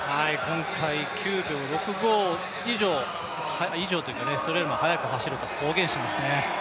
今回９秒６５以上、それよりも速く走ると公言していますね。